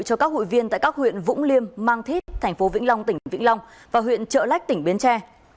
cho các hội viên tại các huyện vũng liêm mang thít tp vĩnh long tỉnh vĩnh long và huyện trợ lách tỉnh bến tre